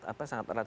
apa sangat berat